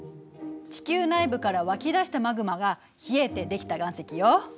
地球内部から湧き出したマグマが冷えてできた岩石よ。